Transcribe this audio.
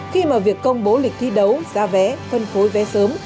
khi mà việc công bố lịch thi đấu giá vé phân phối vé sớm